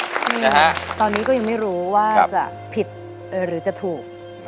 นี่นะฮะตอนนี้ก็ยังไม่รู้ว่าจะผิดหรือจะถูก